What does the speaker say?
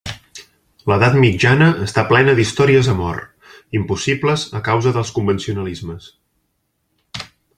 L'edat mitjana està plena d'històries amor, impossibles a causa dels convencionalismes.